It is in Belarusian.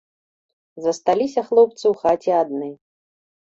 Засталіся хлопцы ў хаце адны.